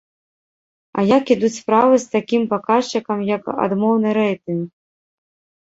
А як ідуць справы з такім паказчыкам, як адмоўны рэйтынг?